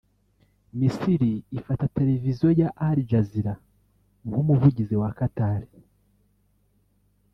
Misiri ifata televiziyo ya Al-Jazeera nk’umuvugizi wa Qatar